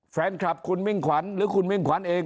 แฟนคลับคุณมิ่งขวัญหรือคุณมิ่งขวัญเอง